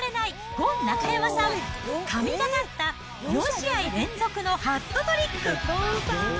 ゴン中山さん、神がかった４試合連続のハットトリック！